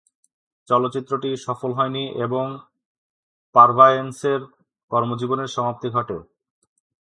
চলচ্চিত্রটি সফল হয়নি এবং পারভায়েন্সের কর্মজীবনের সমাপ্তি ঘটে।